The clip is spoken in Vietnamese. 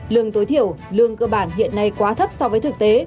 lương tối thiểu lương cơ bản hiện nay quá thấp so với thực tế